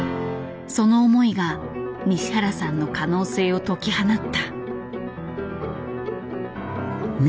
その思いが西原さんの可能性を解き放った。